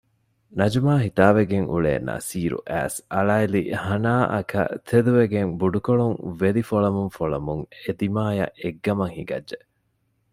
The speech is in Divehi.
ނަޖުމާ ހިތާވެގެން އުޅޭ ނަސީރު އައިސް އަޅައިލި ހަނާއަކަށް ތެދުވެގެން ބުޑުކޮޅުން ވެލިފޮޅަމުންފޮޅަމުން އެދިމާޔަށް އެއްގަމަށް ހިނގައްޖެ